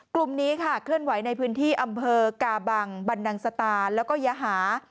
กลุ่มนี้เคลื่อนไหวในพื้นที่อำเภอกาบังบันดังสตาร์และยาหา